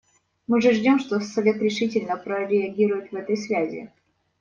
Мы ждем, что Совет решительно прореагирует в этой связи.